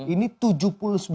ini tujuh puluh sembilan